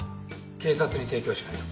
警察に提供しないと。